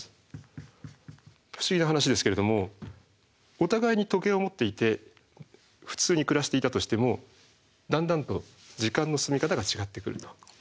不思議な話ですけれどもお互いに時計を持っていて普通に暮らしていたとしてもだんだんと時間の進み方が違ってくるというようなことになります。